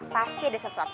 pasti ada sesuatu